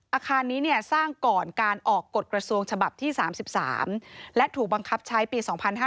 อาคารนี้สร้างก่อนการออกกฎกระทรวงฉบับที่๓๓และถูกบังคับใช้ปี๒๕๕๙